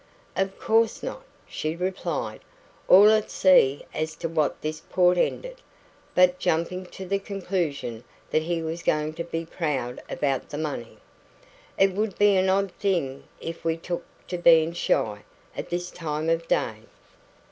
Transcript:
"Of course not," she replied, all at sea as to what this portended, but jumping to the conclusion that he was going to be proud about the money. "It would be an odd thing if we took to being shy, at this time of day."